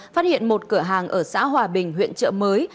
phát hiện một cửa hàng ở xã hòa bình huyện trợ mới